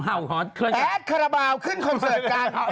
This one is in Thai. แอดคาราบาลขึ้นคอนเสิร์ตกัน